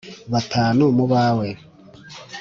batanu mu bawe :